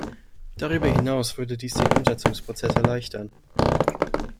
Darüber hinaus würde dies den Umsetzungsprozess erleichtern.